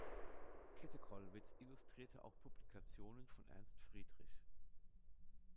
Käthe Kollwitz illustrierte auch Publikationen von Ernst Friedrich.